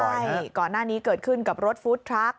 ใช่ก่อนหน้านี้เกิดขึ้นกับรถฟู้ดทรัค